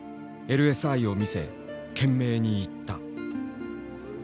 ＬＳＩを見せ懸命に言った。